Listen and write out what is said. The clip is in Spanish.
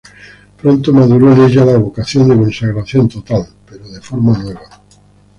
Pronto maduró en ella la vocación de consagración total, pero de forma nueva.